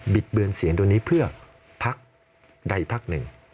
ิดเบือนเสียงตัวนี้เพื่อพักใดพักหนึ่ง